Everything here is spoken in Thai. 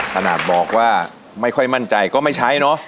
ขนาดบอกว่าไม่ค่อยมั่นใจก็ไม่ใช้เนาะ